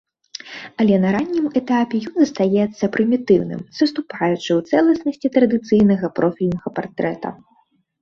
Але на раннім этапе ён застаецца прымітыўным, саступаючы ў цэласнасці традыцыйнага профільнага партрэта.